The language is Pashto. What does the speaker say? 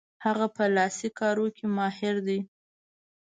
هغه په لاسي کارونو کې ماهر دی.